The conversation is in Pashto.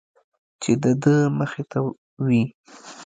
چې د ده مخې ته وي.